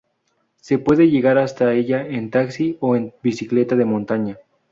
Se puede llegar hasta ella en taxi o en bicicleta de montaña.